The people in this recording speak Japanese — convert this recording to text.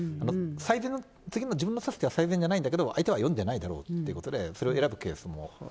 最善の、次の自分の手は最善じゃないんだろうけど、相手は読んでないだろうということで、それを選ぶケースも。